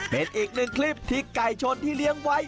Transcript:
เป็นอีกหนึ่งคลิปที่ไก่ชนที่เลี้ยงไว้